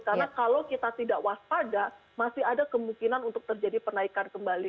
karena kalau kita tidak waspada masih ada kemungkinan untuk terjadi penaikan kembali